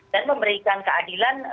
dan memberikan keadilan